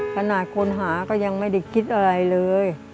ขนาดคนหาก็ยังไม่ได้คิดอะไรเลย